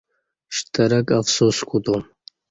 شترک افسوس کوتوم